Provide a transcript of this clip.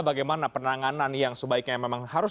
bagaimana penanganan yang sebaiknya memang harus